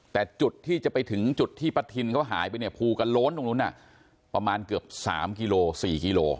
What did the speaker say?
แต่จุดที่จะไปถึงจุดที่ปะทินเขาหายไปเนี่ยภูกระโล้นตรงนู้นประมาณเกือบ๓กิโล๔กิโล